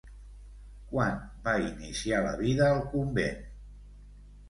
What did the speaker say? Quan va iniciar la vida al convent?